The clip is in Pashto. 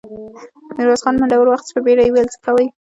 ميرويس خان منډه ور واخيسته، په بيړه يې وويل: څه کوئ!